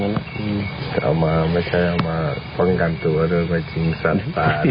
เอามาไม่ใช่เอามาก่อนกันตัวด้วยกับจริงสันตาด้วย